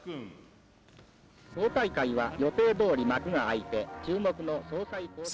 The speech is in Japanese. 党大会は予定どおり幕が開いて、注目の総裁。